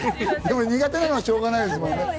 でも苦手なのはしょうがないですもんね。